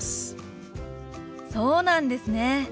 そうなんですね。